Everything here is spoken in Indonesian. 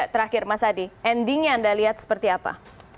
terakhir mas adi endingnya anda lihat seperti apa